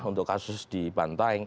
untuk kasus di banteng